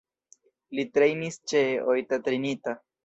Li trejnis ĉe Oita Trinita.